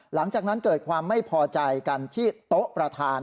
หลังจากนั้นเกิดความไม่พอใจกันที่โต๊ะประธาน